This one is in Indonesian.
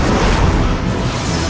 aku harus mengerahkan seluruh kemampuanku